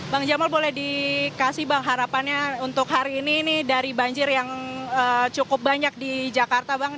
bang jamal boleh dikasih bang harapannya untuk hari ini ini dari banjir yang cukup banyak di jakarta bang